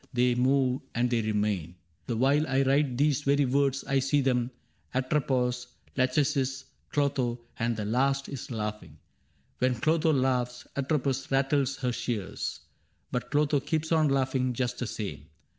They move and they remain. The while I write These very words I see them, — Atropos, Lachesis, Clotho ; and the last is laughing : When Clotho laughs, Atropos rattles her shears ; But Clotho keeps on laughing just the same.